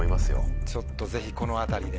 ちょっとぜひこのあたりで。